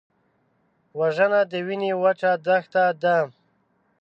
وژنه د وینې وچه دښته ده